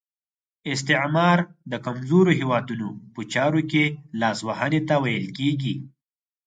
استعمار د کمزورو هیوادونو په چارو کې لاس وهنې ته ویل کیږي.